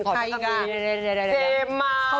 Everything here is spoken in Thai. ค่อยเทมมา